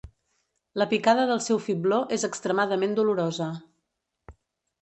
La picada del seu fibló és extremadament dolorosa.